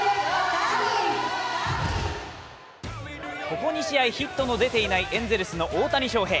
ここ２試合、ヒットの出ていないエンゼルスの大谷翔平。